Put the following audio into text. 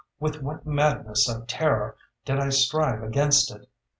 with what madness of terror did I strive against it!